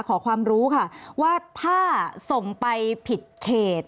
ขอความรู้ค่ะว่าถ้าส่งไปผิดเขต